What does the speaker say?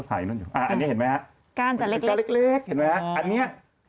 ก้านจะเล็กเห็นไหมครับ